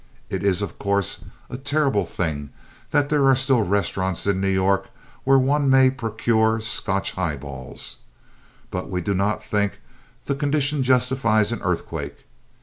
It is, of course, a terrible thing that there are still restaurants in New York where one may procure Scotch highballs, but we do not think the condition justifies an earthquake.